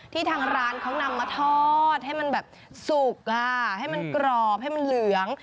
ทางร้านเขานำมาทอดให้มันแบบสุกให้มันกรอบให้มันเหลือง